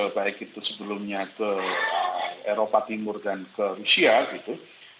baik itu sebelumnya ke eropa timur dan ke rusia gitu